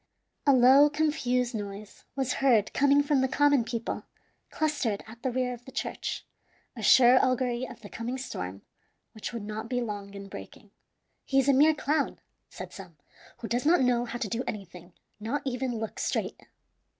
A low, confused noise was heard coming from the common people clustered at the rear of the church, a sure augury of the coming storm, which would not be long in breaking. "He is a mere clown," said some, "who does not know how to do anything, not even look straight."